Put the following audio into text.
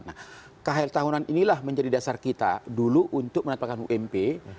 nah khr tahunan inilah menjadi dasar kita dulu untuk menetapkan ump